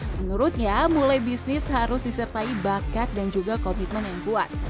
menurutnya mulai bisnis harus disertai bakat dan juga komitmen yang kuat